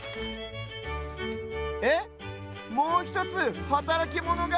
えっもうひとつはたらきモノが！